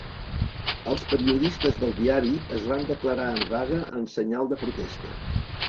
Els periodistes del diari es van declarar en vaga en senyal de protesta.